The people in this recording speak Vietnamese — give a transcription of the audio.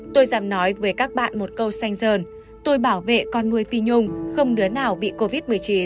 tôi dám nói với các bạn một câu sanh rờn tôi bảo vệ con nuôi phi nhung không đứa nào bị covid một mươi chín